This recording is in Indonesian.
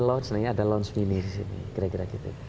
lounge nih ada lounge mini disini